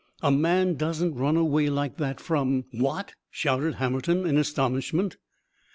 A man doesn't run away like that from " "What?" shouted Hammerton in astonishment.